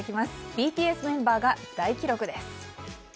ＢＴＳメンバーが大記録です。